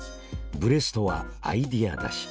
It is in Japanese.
ブレストはアイデア出し。